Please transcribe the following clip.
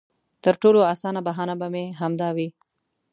تر ټولو اسانه بهانه به مې همدا وي.